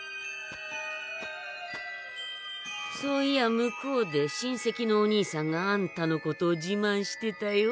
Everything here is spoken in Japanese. そういや向こうで親せきのおにいさんがあんたのことをじまんしてたよ。